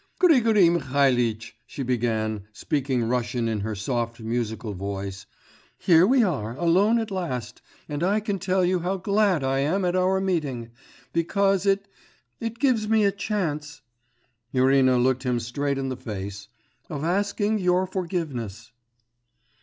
'Grigory Mihalitch,' she began, speaking Russian in her soft musical voice, 'here we are alone at last, and I can tell you how glad I am at our meeting, because it ... it gives me a chance...' (Irina looked him straight in the face) 'of asking your forgiveness.